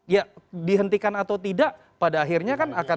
ya dihentikan atau tidak pada akhirnya kan akan